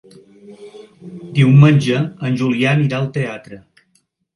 Diumenge en Julià anirà al teatre.